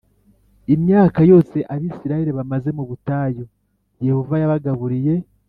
Imyaka yose abisirayeli bamaze mu butayu yehova yabagaburiye